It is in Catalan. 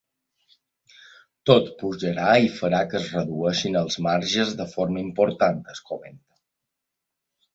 Tot pujarà i farà que es redueixin els marges de forma important, en comenta.